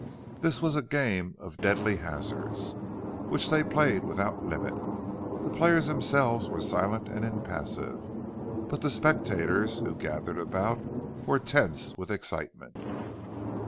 This was a game of deadly hazards, which they played without limit; the players themselves were silent and impassive, but the spectators who gathered about were tense with excitement.